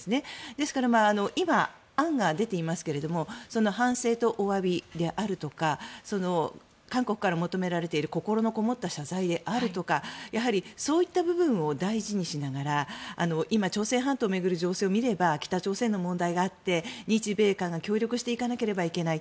ですから今、案が出ていますけどその反省とおわびであるとか韓国から求められている心のこもった謝罪であるとかやはりそういった部分を大事にしながら今、朝鮮半島を巡る情勢を見れば北朝鮮の問題があって日米韓が協力していかなければいけない。